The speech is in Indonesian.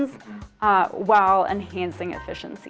sambil meningkatkan efisiensi